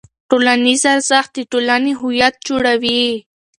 ټولنیز ارزښت د ټولنې هویت جوړوي.